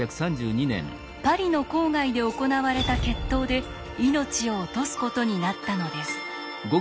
パリの郊外で行われた決闘で命を落とすことになったのです。